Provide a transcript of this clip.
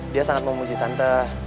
dia sangat memuji tante